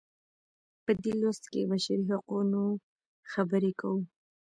په دې لوست کې د بشري حقونو خبرې کوو.